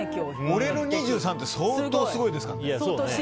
俺の２３って相当すごいですからね。